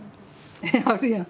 あるやん。